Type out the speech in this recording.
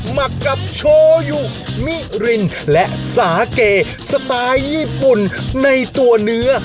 หมักกับโชยุมิรินและสาเกสไตล์ญี่ปุ่นในตัวเนื้อ